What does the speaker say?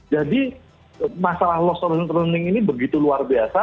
jadi masalah lost learning ini begitu luar biasa